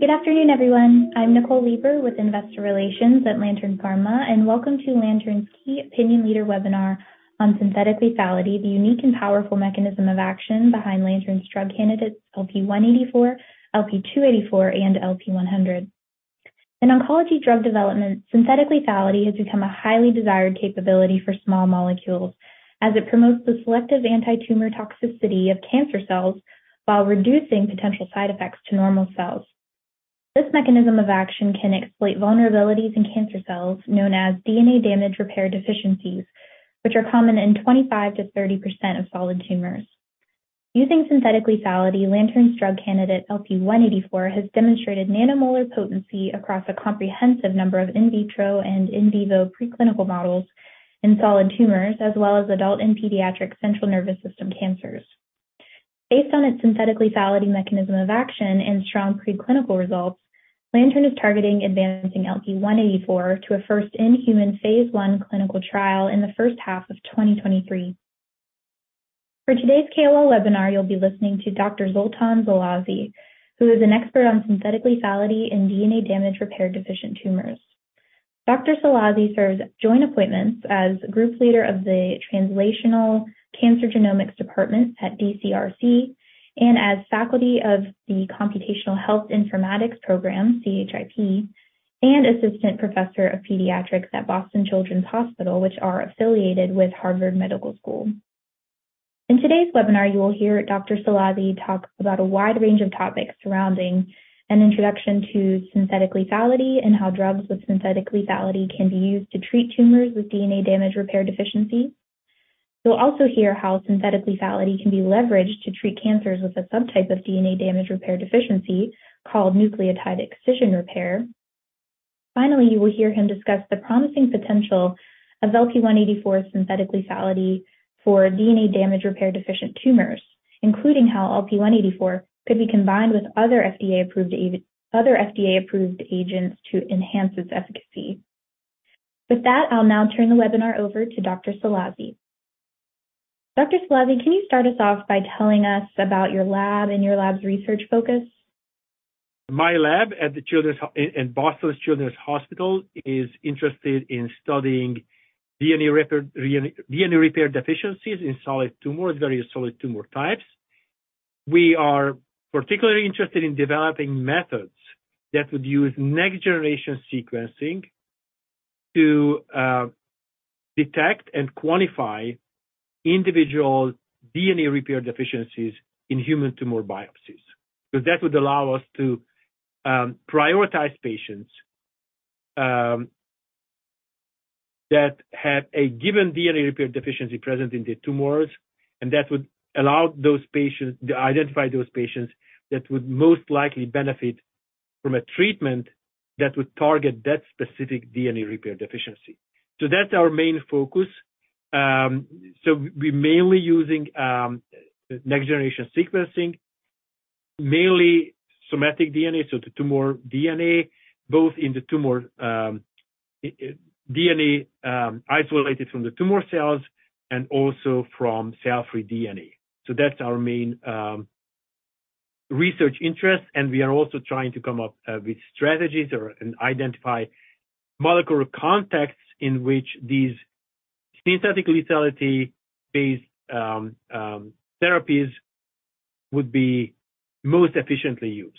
Good afternoon, everyone. I'm Nicole Leber with Investor Relations at Lantern Pharma, and welcome to Lantern's Key Opinion Leader webinar on synthetic lethality, the unique and powerful mechanism of action behind Lantern's drug candidates, LP-184, LP-284, and LP-100. In oncology drug development, synthetic lethality has become a highly desired capability for small molecules as it promotes the selective antitumor toxicity of cancer cells while reducing potential side effects to normal cells. This mechanism of action can exploit vulnerabilities in cancer cells known as DNA damage repair deficiencies, which are common in 25%-30% of solid tumors. Using synthetic lethality, Lantern's drug candidate, LP-184, has demonstrated nanomolar potency across a comprehensive number of in vitro and in vivo preclinical models in solid tumors, as well as adult and pediatric central nervous system cancers. Based on its synthetic lethality mechanism of action and strong preclinical results, Lantern is targeting advancing LP-184 to a first in human phase I clinical trial in the first half of 2023. For today's KOL webinar, you'll be listening to Dr. Zoltan Szalasi, who is an expert on synthetic lethality in DNA damage repair deficient tumors. Dr. Szalasi serves joint appointments as group leader of the Translational Cancer Genomics department at DCRC and as faculty of the Computational Health Informatics Program, CHIP, and Assistant Professor of Pediatrics at Boston Children's Hospital, which are affiliated with Harvard Medical School. In today's webinar, you will hear Dr. Szalasi talk about a wide range of topics surrounding an introduction to synthetic lethality and how drugs with synthetic lethality can be used to treat tumors with DNA damage repair deficiency. You'll also hear how synthetic lethality can be leveraged to treat cancers with a subtype of DNA damage repair deficiency called nucleotide excision repair. Finally, you will hear him discuss the promising potential of LP-184's synthetic lethality for DNA damage repair deficient tumors, including how LP-184 could be combined with other FDA-approved agents to enhance its efficacy. With that, I'll now turn the webinar over to Dr. Szallasi. Dr. Szallasi, can you start us off by telling us about your lab and your lab's research focus? My lab at Boston Children's Hospital is interested in studying DNA repair deficiencies in solid tumors, various solid tumor types. We are particularly interested in developing methods that would use next-generation sequencing to detect and quantify individual DNA repair deficiencies in human tumor biopsies. That would allow us to prioritize patients that have a given DNA repair deficiency present in their tumors, and that would allow those patients to identify those patients that would most likely benefit from a treatment that would target that specific DNA repair deficiency. That's our main focus. We're mainly using next-generation sequencing, mainly somatic DNA, so the tumor DNA, both in the tumor DNA isolated from the tumor cells and also from cell-free DNA. That's our main research interest, and we are also trying to come up with strategies or, and identify molecular contexts in which these synthetic lethality-based therapies would be most efficiently used.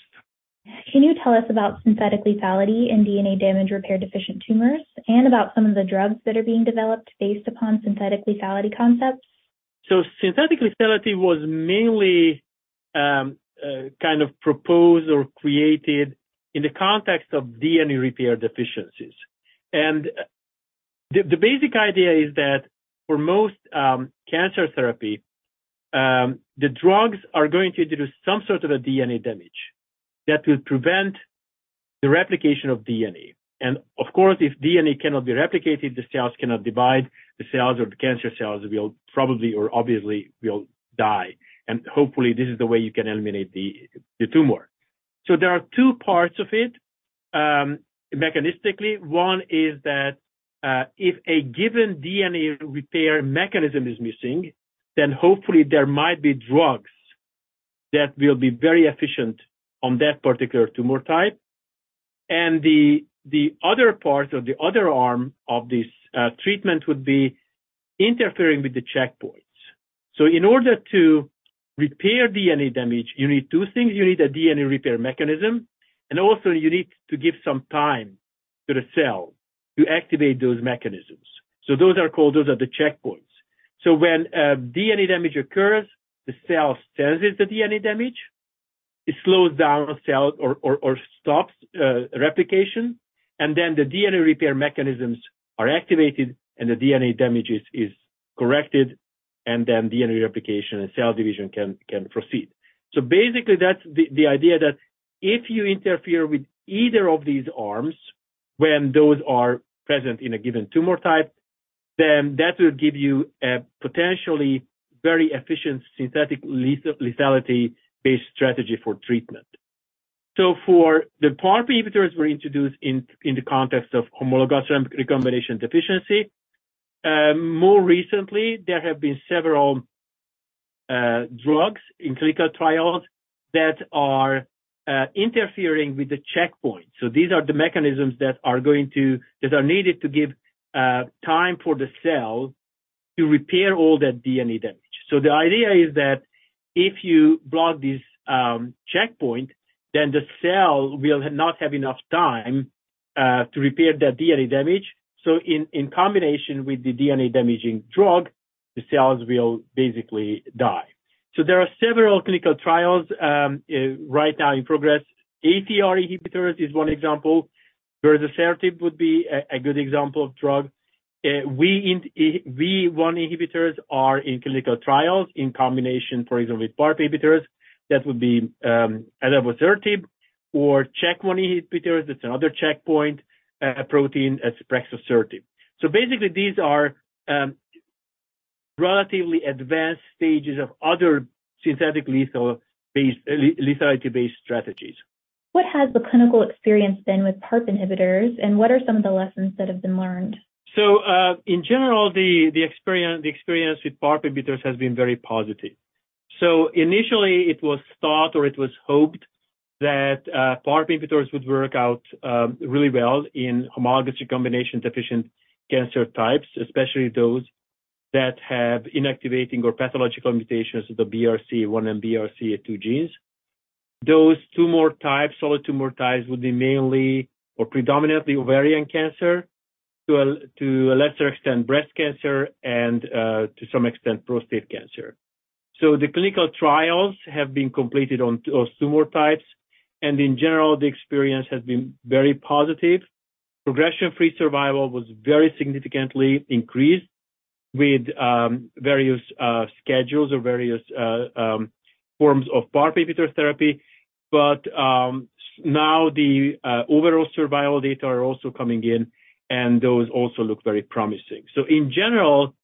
Can you tell us about synthetic lethality in DNA damage repair deficient tumors and about some of the drugs that are being developed based upon synthetic lethality concepts? Synthetic lethality was mainly kind of proposed or created in the context of DNA repair deficiencies. The basic idea is that for most cancer therapy, the drugs are going to do some sort of a DNA damage that will prevent the replication of DNA. Of course, if DNA cannot be replicated, the cells cannot divide, the cells or the cancer cells will probably or obviously will die. Hopefully, this is the way you can eliminate the tumor. There are two parts of it mechanistically. One is that if a given DNA repair mechanism is missing, then hopefully there might be drugs that will be very efficient on that particular tumor type. The other part or the other arm of this treatment would be interfering with the checkpoints. In order to repair DNA damage, you need two things. You need a DNA repair mechanism, also you need to give some time to the cell to activate those mechanisms. Those are called the checkpoints. When DNA damage occurs, the cell senses the DNA damage. It slows down cell or stops replication, then the DNA repair mechanisms are activated and the DNA damage is corrected, then DNA replication and cell division can proceed. Basically, that's the idea that if you interfere with either of these arms when those are present in a given tumor type, then that will give you a potentially very efficient synthetic lethality-based strategy for treatment. For the PARP inhibitors were introduced in the context of homologous recombination deficiency. More recently, there have been several drugs in clinical trials that are interfering with the checkpoint. These are the mechanisms that are needed to give time for the cell to repair all that DNA damage. The idea is that if you block this checkpoint, then the cell will not have enough time to repair the DNA damage. In combination with the DNA-damaging drug, the cells will basically die. There are several clinical trials right now in progress. ATR inhibitor is one example. berzosertib would be a good example of drug. VRK1 inhibitors are in clinical trials in combination, for example, with PARP inhibitors. That would be adavosertib or CHK1 inhibitor, that's another checkpoint protein, as prexasertib. Basically, these are relatively advanced stages of other lethality-based strategies. What has the clinical experience been with PARP inhibitors, and what are some of the lessons that have been learned? In general, the experience with PARP inhibitors has been very positive. Initially it was thought or it was hoped that PARP inhibitors would work out really well in homologous recombination deficient cancer types, especially those that have inactivating or pathological mutations of the BRCA1 and BRCA2 genes. Those tumor types would be mainly or predominantly ovarian cancer, to a lesser extent, breast cancer, and to some extent prostate cancer. The clinical trials have been completed on tumor types, and in general, the experience has been very positive. Progression-free survival was very significantly increased with various schedules or various forms of PARP inhibitor therapy. Now the overall survival data are also coming in, and those also look very promising. In general,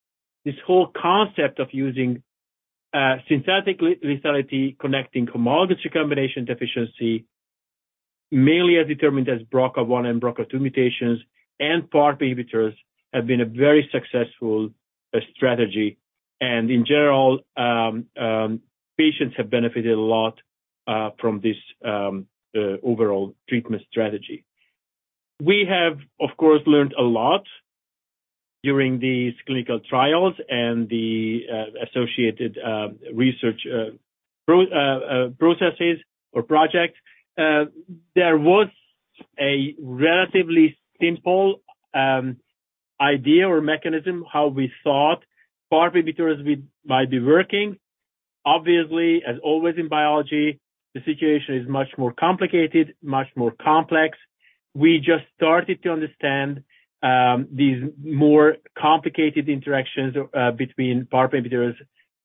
this whole concept of using synthetic lethality, connecting homologous recombination deficiency mainly as determined as BRCA1 and BRCA2 mutations and PARP inhibitors have been a very successful strategy. In general, patients have benefited a lot from this overall treatment strategy. We have, of course, learned a lot during these clinical trials and the associated research processes or projects. There was a relatively simple idea or mechanism how we thought PARP inhibitors might be working. Obviously, as always in biology, the situation is much more complicated, much more complex. We just started to understand these more complicated interactions between PARP inhibitors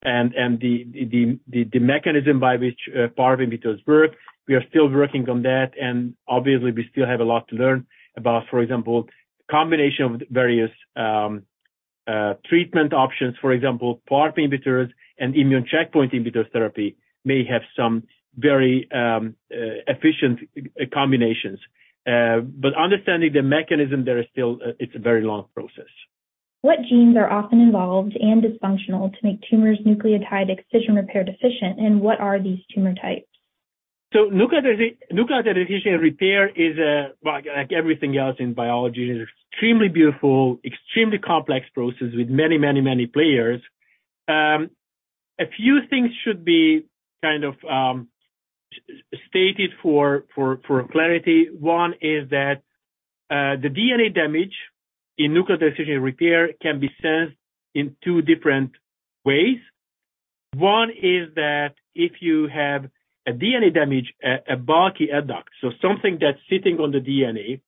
and the mechanism by which PARP inhibitors work. We are still working on that, and obviously we still have a lot to learn about, for example, combination of various treatment options. For example, PARP inhibitors and immune checkpoint inhibitor therapy may have some very efficient combinations. Understanding the mechanism, it's a very long process. What genes are often involved and dysfunctional to make tumors nucleotide excision repair deficient, and what are these tumor types? Nucleotide excision repair is, well, like everything else in biology, it is extremely beautiful, extremely complex process with many, many, many players. A few things should be kind of stated for clarity. One is that the DNA damage in nucleotide excision repair can be sensed in two different ways. One is that if you have a DNA damage, a bulky adduct, so something that's sitting on the DNA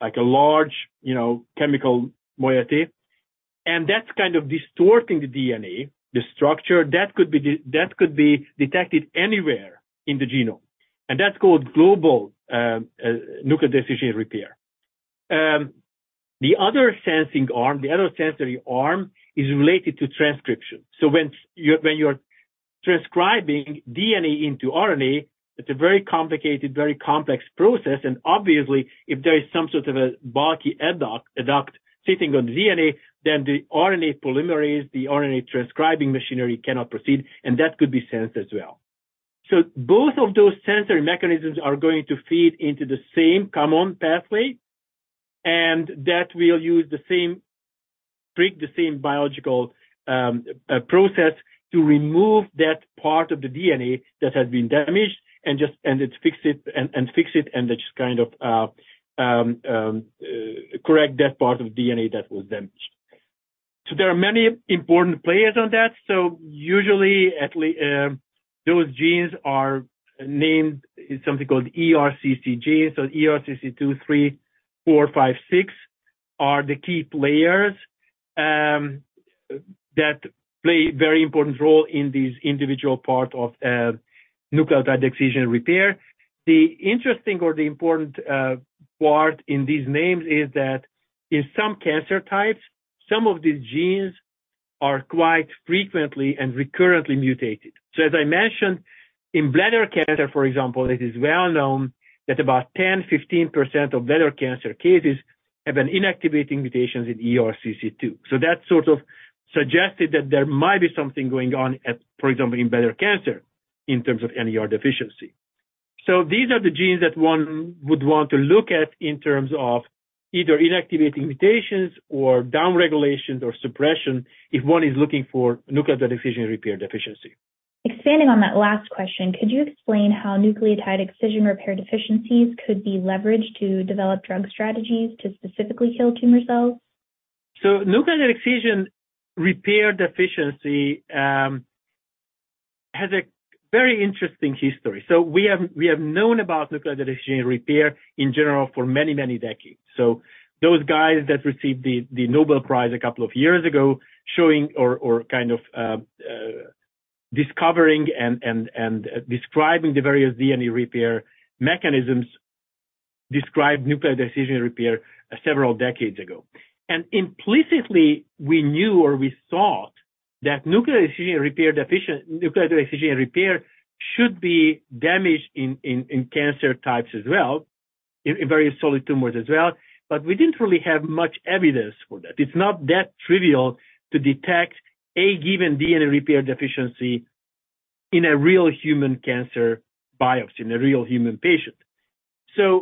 like a large, you know, chemical moiety, and that's kind of distorting the DNA, the structure, that could be detected anywhere in the genome, and that's called global nucleotide excision repair. The other sensory arm is related to transcription. When you're transcribing DNA into RNA, it's a very complicated, very complex process, and obviously if there is some sort of a bulky adduct sitting on the DNA, then the RNA polymerase, the RNA transcribing machinery cannot proceed, and that could be sensed as well. Both of those sensory mechanisms are going to feed into the same common pathway, and that will use the same bring the same biological process to remove that part of the DNA that has been damaged and it fix it, and fix it, and then just kind of correct that part of DNA that was damaged. There are many important players on that. Usually, those genes are named something called ERCC genes. ERCC2, ERCC3, ERCC4, ERCC5, ERCC6 are the key players that play very important role in this individual part of nucleotide excision repair. The interesting or the important part in these names is that in some cancer types, some of these genes are quite frequently and recurrently mutated. As I mentioned, in bladder cancer, for example, it is well known that about 10-15% of bladder cancer cases have an inactivating mutations in ERCC2. That sort of suggested that there might be something going on at, for example, in bladder cancer in terms of NER deficiency. These are the genes that one would want to look at in terms of either inactivating mutations or down-regulations or suppression if one is looking for nucleotide excision repair deficiency. Expanding on that last question, could you explain how nucleotide excision repair deficiencies could be leveraged to develop drug strategies to specifically kill tumor cells? Nucleotide excision repair deficiency has a very interesting history. We have known about nucleotide excision repair in general for many, many decades. Those guys that received the Nobel Prize a couple of years ago showing or kind of discovering and describing the various DNA repair mechanisms, described nucleotide excision repair several decades ago. Implicitly, we knew or we thought that nucleotide excision repair should be damaged in cancer types as well, in various solid tumors as well, we didn't really have much evidence for that. It's not that trivial to detect, A, given DNA repair deficiency in a real human cancer biopsy, in a real human patient. Since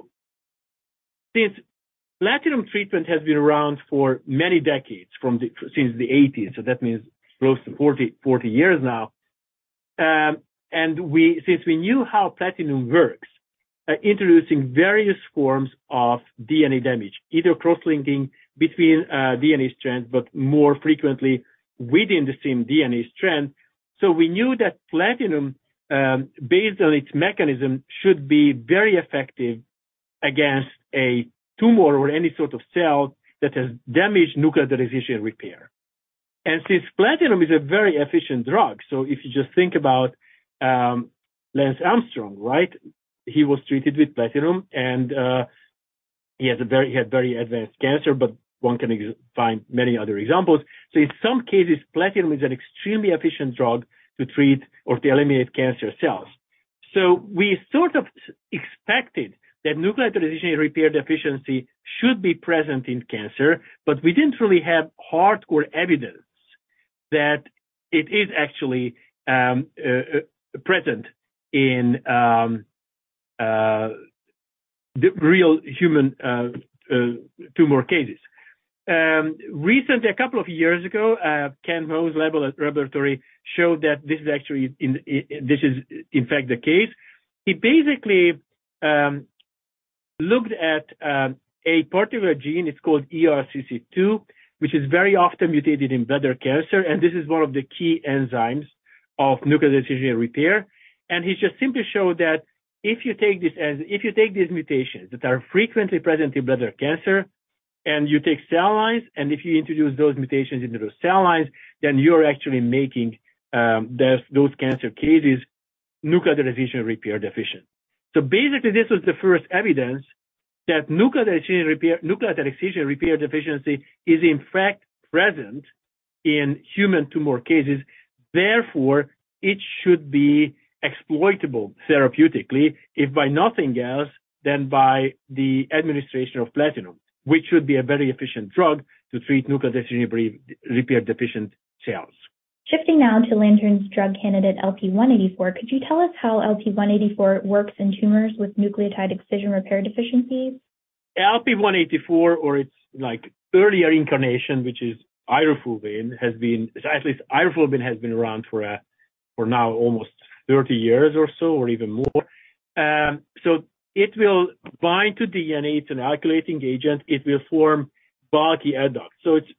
platinum treatment has been around for many decades since the eighties, that means close to 40 years now. Since we knew how platinum works, introducing various forms of DNA damage, either cross-linking between DNA strands, but more frequently within the same DNA strand. We knew that platinum, based on its mechanism, should be very effective against a tumor or any sort of cell that has damaged nucleotide excision repair. Since platinum is a very efficient drug, if you just think about Lance Armstrong, right? He was treated with platinum, and he had very advanced cancer, but one can find many other examples. In some cases, platinum is an extremely efficient drug to treat or to eliminate cancer cells. We sort of expected that nucleotide excision repair deficiency should be present in cancer, but we didn't really have hardcore evidence that it is actually present in the real human tumor cases. Recently, two years ago, Kent Mouw's lab or laboratory showed that this is actually in fact the case. He basically looked at a particular gene, it's called ERCC2, which is very often mutated in bladder cancer, and this is one of the key enzymes of nucleotide excision repair. He just simply showed that if you take these mutations that are frequently present in bladder cancer and you take cell lines, and if you introduce those mutations into those cell lines, then you're actually making those cancer cases nucleotide excision repair deficient. Basically, this was the first evidence that nucleotide excision repair, nucleotide excision repair deficiency is in fact present in human tumor cases. Therefore, it should be exploitable therapeutically, if by nothing else, than by the administration of platinum, which would be a very efficient drug to treat nucleotide excision repair deficient cells. Shifting now to Lantern's drug candidate LP-184, could you tell us how LP-184 works in tumors with nucleotide excision repair deficiencies? LP-184 or its like earlier incarnation, which is irinotecan, At least irinotecan has been around for now almost 30 years or so, or even more. It will bind to DNA. It's an alkylating agent. It will form bulky adduct.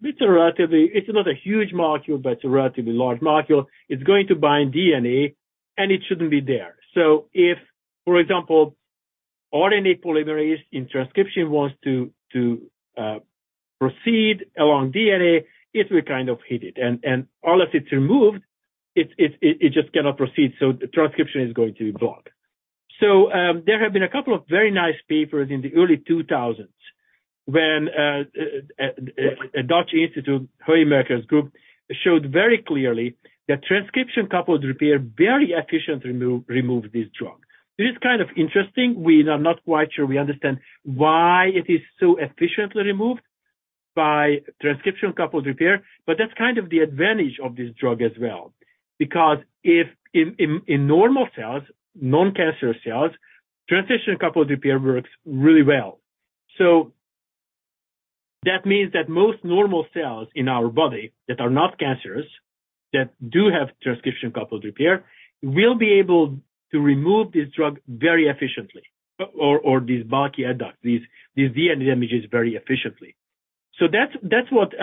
It's not a huge molecule, but it's a relatively large molecule. It's going to bind DNA, it shouldn't be there. If, for example, RNA polymerase in transcription wants to proceed along DNA, it will kind of hit it. Unless it's removed, it just cannot proceed, the transcription is going to be blocked. There have been a couple of very nice papers in the early 2000s when a Dutch institute, Hoeijmakers' group, showed very clearly that transcription-coupled repair very efficiently remove this drug. This is kind of interesting. We are not quite sure we understand why it is so efficiently removed by transcription-coupled repair, but that's kind of the advantage of this drug as well. Because if in normal cells, non-cancer cells, transcription-coupled repair works really well. That means that most normal cells in our body that are not cancerous, that do have transcription-coupled repair, will be able to remove this drug very efficiently, or these bulky adduct, these DNA damages very efficiently. That's what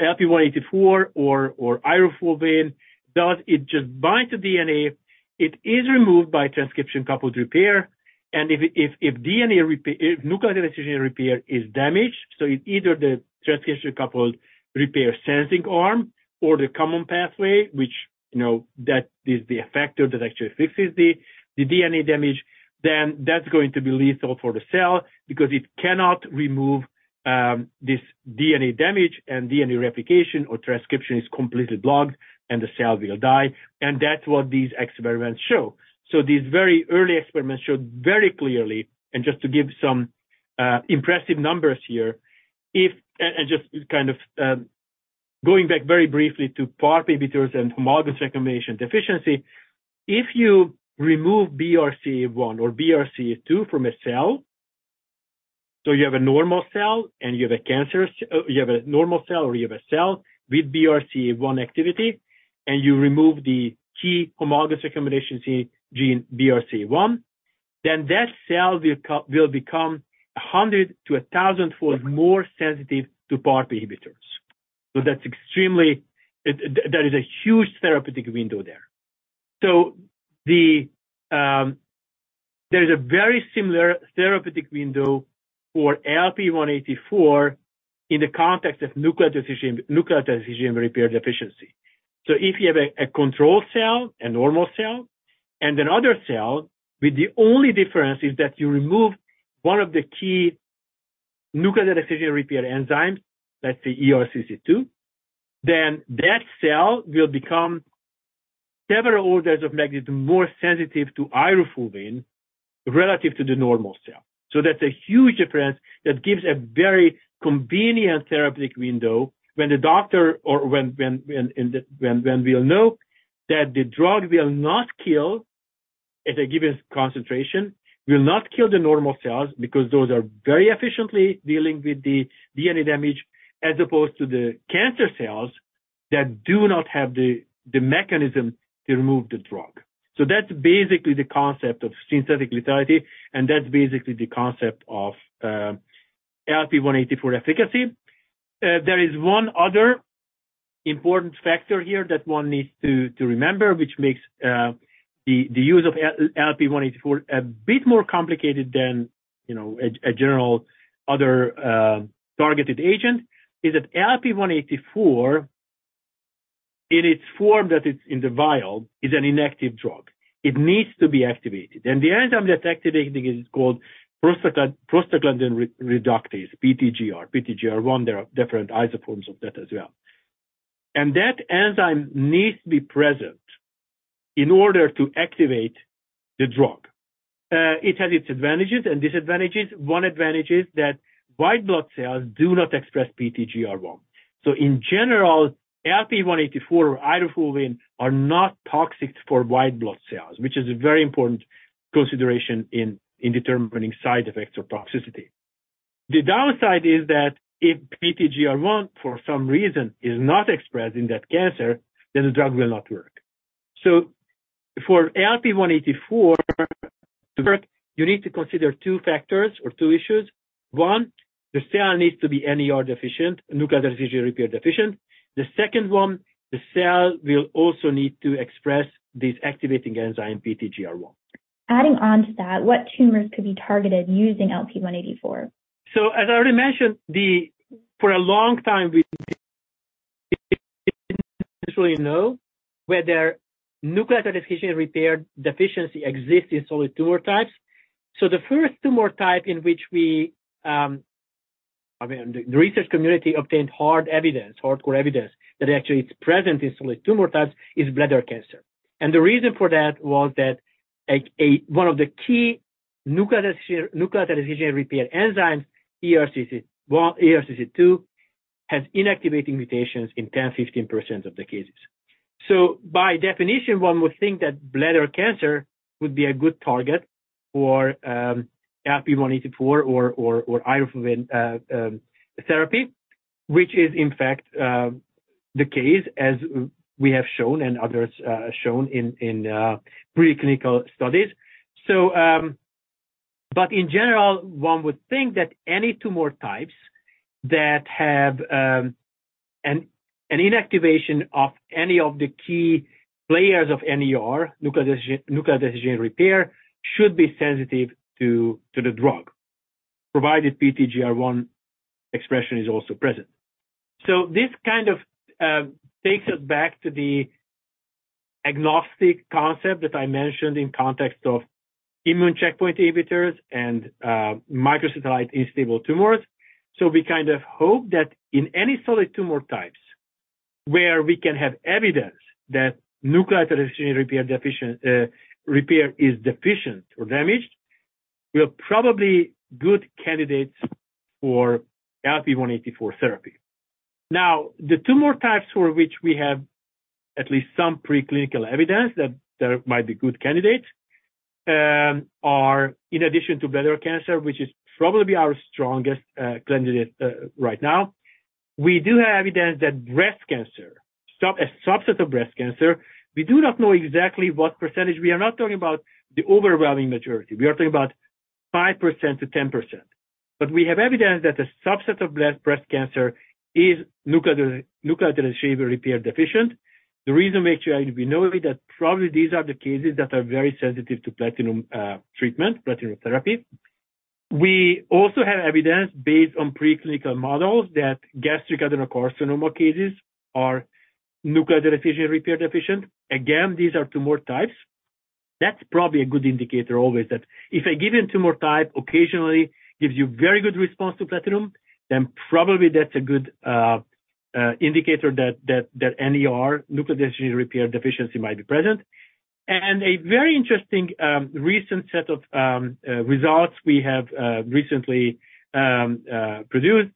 LP-184 or irinotecan does. It just binds the DNA. It is removed by transcription-coupled repair. If nucleotide excision repair is damaged, so if either the transcription-coupled repair sensing arm or the common pathway, which, you know, that is the effector that actually fixes the DNA damage, then that's going to be lethal for the cell because it cannot remove this DNA damage and DNA replication or transcription is completely blocked, and the cell will die. That's what these experiments show. These very early experiments showed very clearly, and just to give some impressive numbers here, if... Just kind of going back very briefly to PARP inhibitors and homologous recombination deficiency, if you remove BRCA1 or BRCA2 from a cell, so you have a normal cell and you have a normal cell, or you have a cell with BRCA1 activity, and you remove the key homologous recombination gene, BRCA1, that cell will become 100 to 1,000-fold more sensitive to PARP inhibitors. That's extremely. That is a huge therapeutic window there. There's a very similar therapeutic window for LP-184 in the context of nucleotide excision repair deficiency. If you have a control cell, a normal cell, and another cell with the only difference is that you remove one of the key nucleotide excision repair enzymes, let's say ERCC2, then that cell will become several orders of magnitude more sensitive to irinotecan relative to the normal cell. That's a huge difference. That gives a very convenient therapeutic window when the doctor or when in the, we'll know that the drug will not kill, at a given concentration, will not kill the normal cells because those are very efficiently dealing with the DNA damage as opposed to the cancer cells that do not have the mechanism to remove the drug. That's basically the concept of synthetic lethality, and that's basically the concept of LP-184 efficacy. There is one other important factor here that one needs to remember, which makes the use of LP-184 a bit more complicated than, you know, a general other targeted agent, is that LP-184, in its form that it's in the vial, is an inactive drug. It needs to be activated. The enzyme that's activating is called prostaglandin reductase, PTGR, PTGR1. There are different isoforms of that as well. That enzyme needs to be present in order to activate the drug. It has its advantages and disadvantages. One advantage is that white blood cells do not express PTGR1. In general, LP-184 or irinotecan are not toxic for white blood cells, which is a very important consideration in determining side effects or toxicity. The downside is that if PTGR1 for some reason is not expressed in that cancer, then the drug will not work. For LP-184 to work, you need to consider two factors or two issues. One, the cell needs to be NER deficient, nucleotide excision repair deficient. The second one, the cell will also need to express this activating enzyme, PTGR1. Adding on to that, what tumors could be targeted using LP-184? As I already mentioned, the for a long time, we didn't necessarily know whether nucleotide excision repair deficiency exists in solid tumor types. The first tumor type in which we, I mean, the research community obtained hard evidence, hardcore evidence, that actually it's present in solid tumor types, is bladder cancer. The reason for that was that a one of the key nucleotide excision repair enzymes, ERCC1, ERCC2, has inactivating mutations in 10%, 15% of the cases. By definition, one would think that bladder cancer would be a good target for LP-184 or irinotecan therapy, which is in fact the case as we have shown and others shown in preclinical studies. In general, one would think that any tumor types that have an inactivation of any of the key players of NER, nucleotide excision repair, should be sensitive to the drug, provided PTGR1 expression is also present. This kind of takes us back to the agnostic concept that I mentioned in context of immune checkpoint inhibitors and microsatellite unstable tumors. We kind of hope that in any solid tumor types where we can have evidence that nucleotide excision repair deficient repair is deficient or damaged, we are probably good candidates for LP-184 therapy. The tumor types for which we have at least some preclinical evidence that there might be good candidates are in addition to bladder cancer, which is probably our strongest candidate right now. We do have evidence that breast cancer, a subset of breast cancer, we do not know exactly what percentage. We are not talking about the overwhelming majority. We are talking about 5%-10%. We have evidence that a subset of breast cancer is nucleotide excision repair deficient. The reason we actually, we know it, that probably these are the cases that are very sensitive to platinum treatment, platinum therapy. We also have evidence based on preclinical models that gastric adenocarcinoma cases are nucleotide excision repair deficient. These are tumor types. That's probably a good indicator always that if a given tumor type occasionally gives you very good response to platinum, then probably that's a good indicator that NER, nucleotide excision repair deficiency might be present. A very interesting recent set of results we have recently produced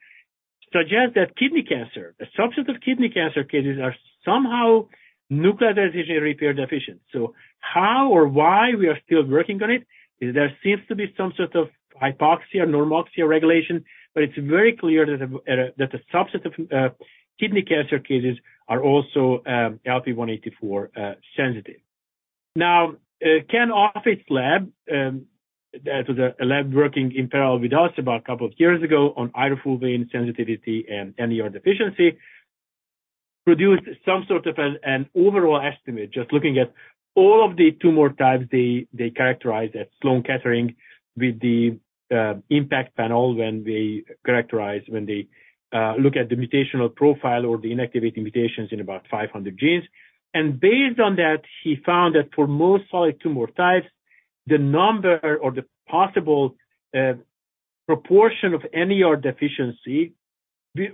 suggest that kidney cancer, a subset of kidney cancer cases are somehow nucleotide excision repair deficient. How or why we are still working on it is there seems to be some sort of hypoxia normoxia regulation, but it's very clear that a subset of kidney cancer cases are also LP-184 sensitive. Ken Offit's lab, that was a lab working in parallel with us about a couple of years ago on irinotecan sensitivity and NER deficiency, produced an overall estimate, just looking at all of the tumor types they characterized at Sloan Kettering with the Impact panel when they look at the mutational profile or the inactivating mutations in about 500 genes. Based on that, he found that for most solid tumor types, the number or the possible proportion of NER deficiency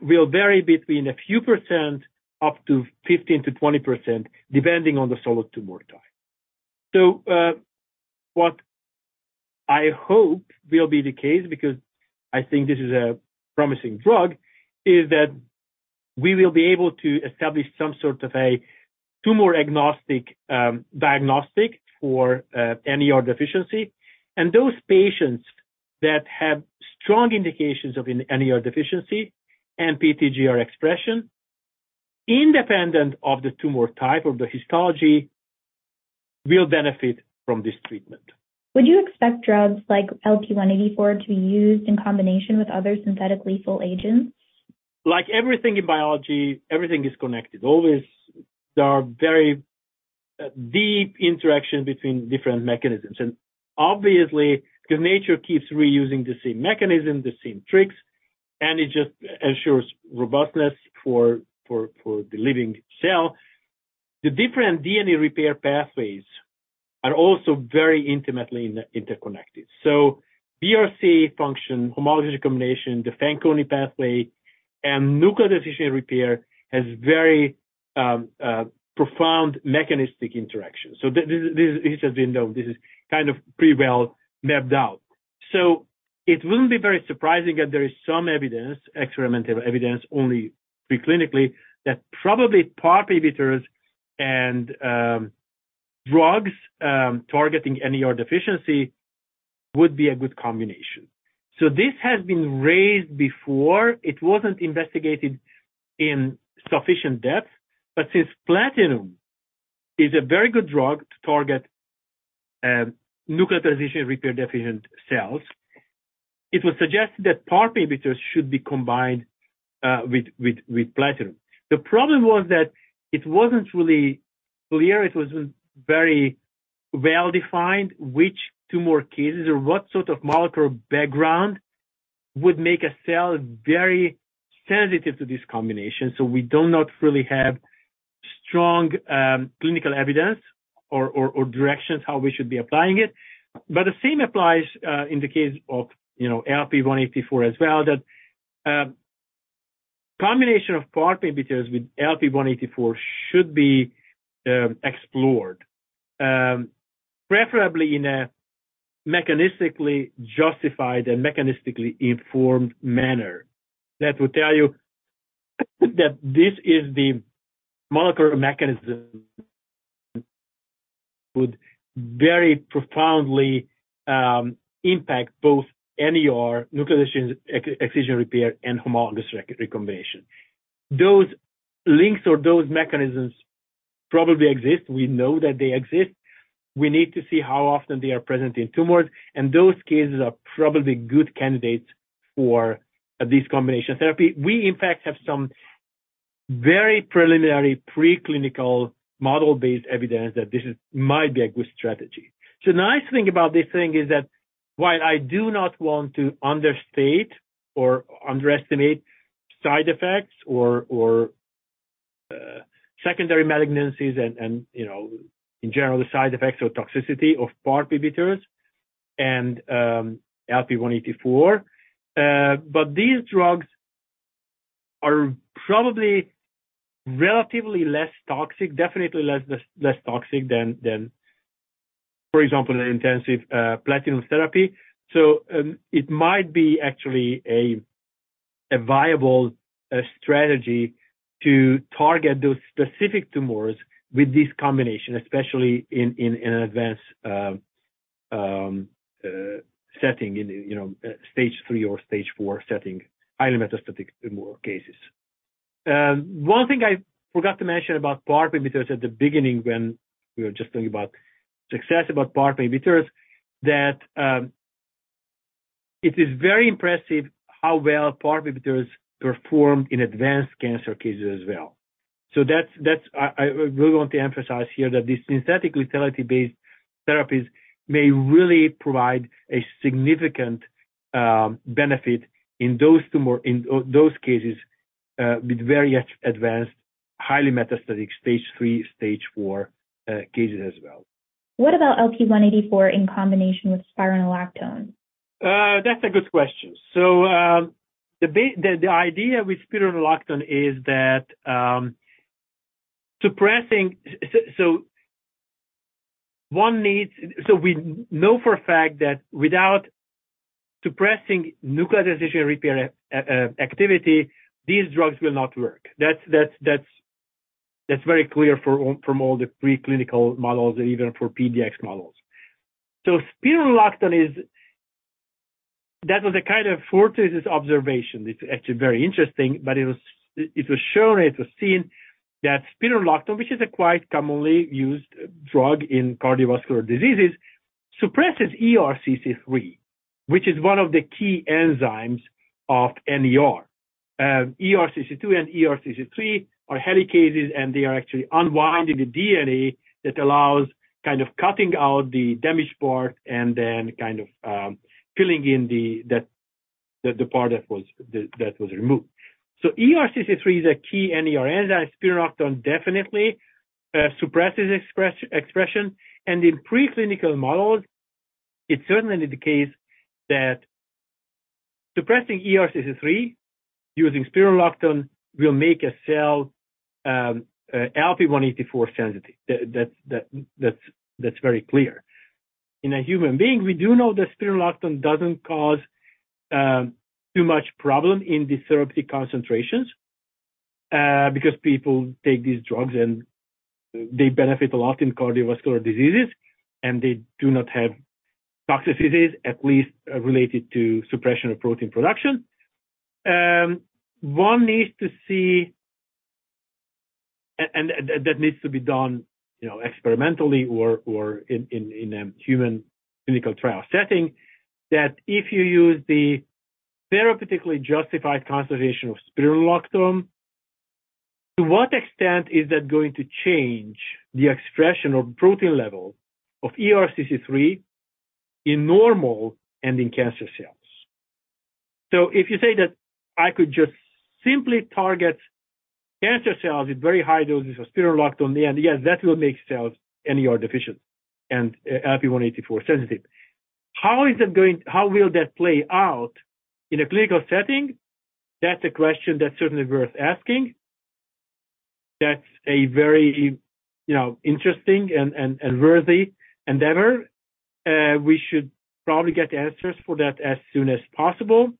will vary between a few percent up to 15%-20%, depending on the solid tumor type. What I hope will be the case, because I think this is a promising drug, is that we will be able to establish some sort of a tumor agnostic diagnostic for NER deficiency. Those patients that have strong indications of an NER deficiency and PTGR expression, independent of the tumor type or the histology, will benefit from this treatment. Would you expect drugs like LP-184 to be used in combination with other synthetic lethal agents? Like everything in biology, everything is connected. Always there are very deep interaction between different mechanisms. Obviously, because nature keeps reusing the same mechanism, the same tricks, and it just ensures robustness for the living cell. The different DNA repair pathways are also very intimately interconnected. BRC function, homologous recombination, the Fanconi pathway, and nucleotide excision repair has very profound mechanistic interactions. This has been known, this is kind of pretty well mapped out. It wouldn't be very surprising that there is some evidence, experimental evidence, only pre-clinically, that probably PARP inhibitors and drugs targeting NER deficiency would be a good combination. This has been raised before. It wasn't investigated in sufficient depth, but since platinum is a very good drug to target, nucleotide excision repair deficient cells, it was suggested that PARP inhibitors should be combined with platinum. The problem was that it wasn't really clear, it wasn't very well-defined which tumor cases or what sort of molecular background would make a cell very sensitive to this combination. We do not really have strong clinical evidence or directions how we should be applying it. The same applies, in the case of, you know, LP-184 as well, that combination of PARP inhibitors with LP-184 should be explored, preferably in a mechanistically justified and mechanistically informed manner that would tell you that this is the molecular mechanism would very profoundly impact both NER, nucleotide excision repair, and homologous recombination. Those links or those mechanisms probably exist. We know that they exist. We need to see how often they are present in tumors, and those cases are probably good candidates for this combination therapy. We in fact have some very preliminary preclinical model-based evidence that this is might be a good strategy. The nice thing about this thing is that while I do not want to understate or underestimate side effects or secondary malignancies and, you know, in general the side effects or toxicity of PARP inhibitors and LP-184, but these drugs are probably relatively less toxic, definitely less toxic than, for example, an intensive platinum therapy. It might be actually a viable strategy to target those specific tumors with this combination, especially in an advanced setting in, you know, stage 3 or stage 4 setting, highly metastatic tumor cases. One thing I forgot to mention about PARP inhibitors at the beginning when we were just talking about success about PARP inhibitors, that it is very impressive how well PARP inhibitors perform in advanced cancer cases as well. I really want to emphasize here that these synthetic lethality-based therapies may really provide a significant benefit in those cases with very advanced, highly metastatic stage 3, stage 4 cases as well. What about LP-184 in combination with spironolactone? That's a good question. The idea with spironolactone is that, we know for a fact that without suppressing nucleotide excision repair activity, these drugs will not work. That's very clear from all the preclinical models and even for PDX models. That was a kind of fortuitous observation. It's actually very interesting. It was shown, it was seen that spironolactone, which is a quite commonly used drug in cardiovascular diseases, suppresses ERCC3, which is one of the key enzymes of NER. ERCC2 and ERCC3 are helicases, and they are actually unwinding the DNA that allows kind of cutting out the damaged part and then kind of, filling in the part that was removed. ERCC3 is a key NER enzyme. Spironolactone definitely suppresses expression. In preclinical models, it's certainly the case that suppressing ERCC3 using spironolactone will make a cell LP-184 sensitive. That's very clear. In a human being, we do know that spironolactone doesn't cause too much problem in the therapeutic concentrations because people take these drugs, and they benefit a lot in cardiovascular diseases, and they do not have toxicities at least related to suppression of protein production. One needs to see... That needs to be done, you know, experimentally or in a human clinical trial setting, that if you use the therapeutically justified conservation of spironolactone, to what extent is that going to change the expression of protein level of ERCC3 in normal and in cancer cells? If you say that I could just simply target cancer cells at very high doses of spironolactone, yes, that will make cells NER deficient and LP-184 sensitive. How will that play out in a clinical setting? That's a question that's certainly worth asking. That's a very, you know, interesting and worthy endeavor. We should probably get answers for that as soon as possible.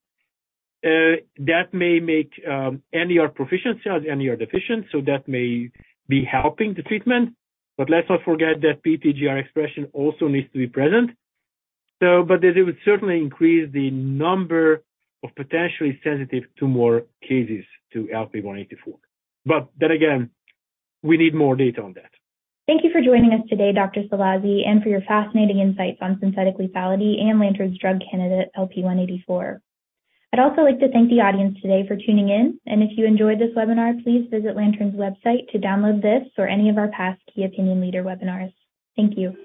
That may make NER proficient cells NER deficient, so that may be helping the treatment. Let's not forget that PTGR expression also needs to be present. That it would certainly increase the number of potentially sensitive to more cases to LP-184. Then again, we need more data on that. Thank you for joining us today, Dr. Szallasi, and for your fascinating insights on synthetic lethality and Lantern's drug candidate, LP-184. I'd also like to thank the audience today for tuning in. If you enjoyed this webinar, please visit Lantern's website to download this or any of our past key opinion leader webinars. Thank you.